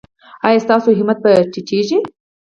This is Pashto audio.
ایا ستاسو همت به ټیټیږي؟